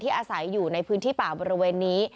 อาศัยอยู่ในพื้นที่ป่าบริเวณนี้